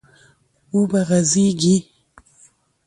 و به غځېږي،